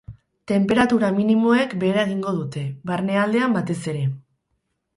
Tenperatura minimoek behera egingo dute, barnealdean batez ere.